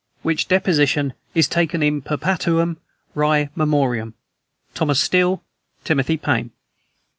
Which deposition is taken in perpetuam rei memoriam. "THOMAS STEEL, "TIMOTHY PAINE."